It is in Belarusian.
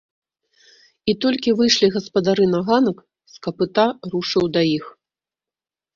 І толькі выйшлі гаспадары на ганак, з капыта рушыў да іх.